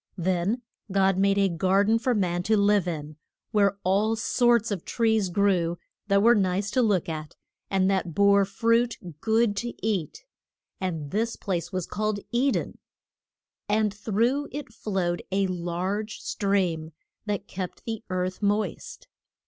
Then God made a gar den for man to live in, where all sorts of trees grew that were nice to look at, and that bore fruit good to eat. And this place was called E den. And through it flowed a large stream that kept the earth moist.